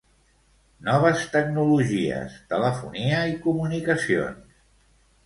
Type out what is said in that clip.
Noves tecnologies, telefonia i comunicacions.